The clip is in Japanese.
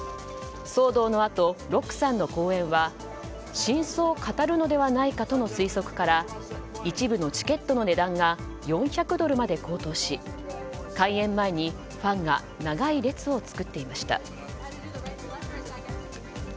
騒動のあと、ロックさんの公演は真相を語るのではないかとの推測から一部のチケットの値段が４００ドルまで高騰し開演前にファンが長い列を作っていました。